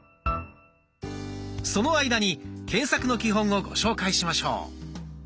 その間に検索の基本をご紹介しましょう。